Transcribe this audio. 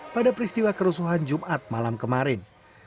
pada peristiwa kerusuhan jumat malam kemarin